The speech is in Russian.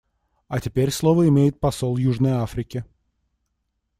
А теперь слово имеет посол Южной Африки.